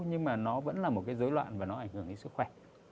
nhưng mà nó vẫn là một cái dối loạn và nó ảnh hưởng đến sức khỏe